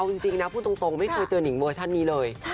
เอาจริงนะพูดตรงไม่เคยเจอนิงเวอร์ชันนี้เลย